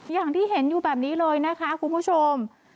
อย่างที่เห็นอยู่แบบนี้เลยนะคะคุณผู้ชม